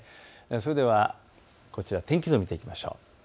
それでは天気図を見ていきましょう。